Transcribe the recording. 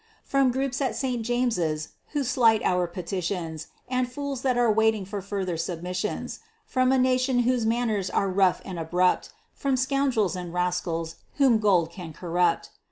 From groups at St. James's who slight our Petitions, And fools that are waiting for further submissions; From a nation whose manners are rough and abrupt, From scoundrels and rascals whom gold can corrupt.